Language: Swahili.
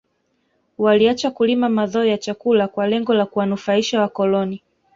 Waliacha kulima mazao ya chakula kwa lengo la kuwanufaisha wakoloni